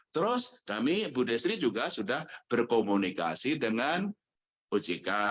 terus kami bu desri juga sudah berkomunikasi dengan ojk